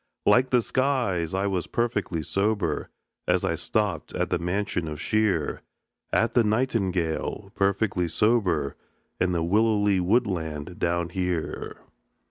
Like the skies, I was perfectly sober, As I stopped at the mansion of Shear, At the Nightingale, perfectly sober, And the willowy woodland down here.